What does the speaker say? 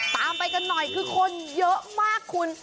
ไปกันหน่อยคือคนเยอะมากคุณ